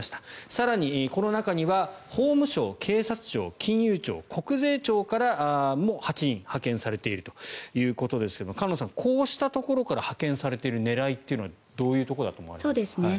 更に、この中には法務省、警察庁金融庁、国税庁からも８人派遣されているということですが菅野さん、こうしたところから派遣されている狙いというのはどういうところだと思いますか？